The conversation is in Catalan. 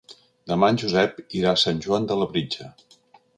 Demà en Josep irà a Sant Joan de Labritja.